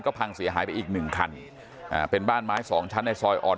พังเสียหายไปอีกหนึ่งคันอ่าเป็นบ้านไม้สองชั้นในซอยอ่อน